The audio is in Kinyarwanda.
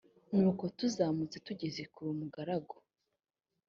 nuko tuzamutse tugeze kuri umugaragu